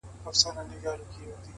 علم د فکر وسعت زیاتوي!